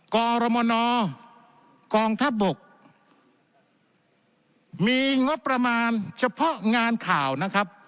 กรมนกองทัพบกมีงบประมาณเฉพาะงานข่าวนะครับ